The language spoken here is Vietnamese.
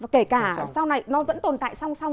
kể cả sau này nó vẫn tồn tại song song